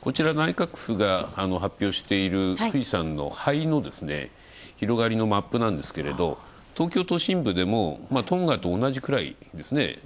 こちら内閣府が発表している富士山の灰の広がりのマップなんですけれど東京都心部でも、トンガと同じくらいですね。